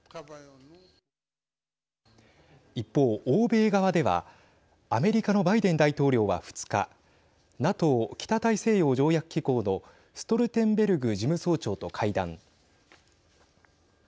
一方、欧米側ではアメリカのバイデン大統領は２日ＮＡＴＯ＝北大西洋条約機構のストルテンベルグ事務総長と会談。